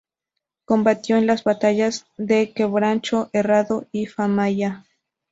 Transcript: Combatió en las batallas de Quebracho Herrado y Famaillá.